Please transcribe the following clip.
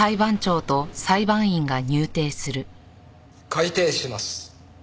開廷します。